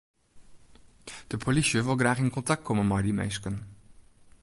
De polysje wol graach yn kontakt komme mei dy minsken.